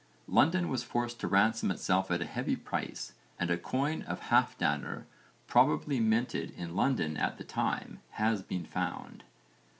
London was forced to ransom itself at a heavy price and a coin of Halfdanr, probably minted in London at the time, has been found.